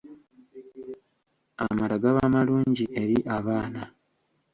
Amata gaba malungi eri abaana.